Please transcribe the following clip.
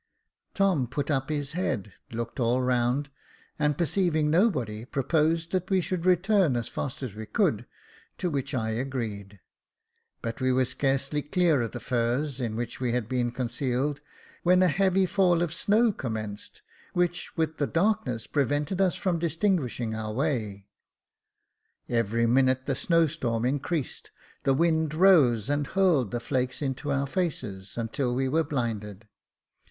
Tom put up his head, looked all round, and perceiving nobody, proposed that we should return as fast as we could ; to which I agreed. But we were scarcely clear of the furze in which we had been con cealed, when a heavy fall of snow commenced, which, with the darkness, prevented us from distinguishing our way. Every minute the snow storm increased, the wind rose, and hurled the flakes into our faces until we were blinded.